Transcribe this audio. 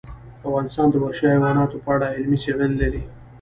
افغانستان د وحشي حیواناتو په اړه علمي څېړنې لري.